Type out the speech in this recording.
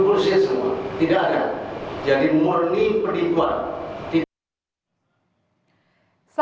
pengembalian dari awal dini khas